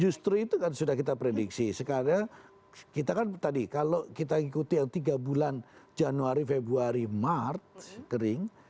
justru itu kan sudah kita prediksi sekarang kita kan tadi kalau kita ikuti yang tiga bulan januari februari maret kering